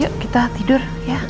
yuk kita tidur ya